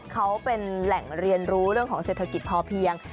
เขาเป็นแหล่งเรียนรู้เรื่องของเศรษฐกิจพอเพียง